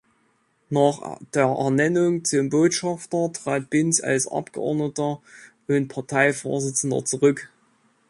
Nach der Ernennung zum Botschafter trat Binns als Abgeordneter und Parteivorsitzender zurück.